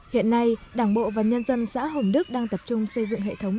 hiện nay đảng bộ và nhân dân xã hồng đức đang tập trung xây dựng hệ thống